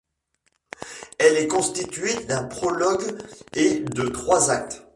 Elle est constituée d'un prologue et de trois actes.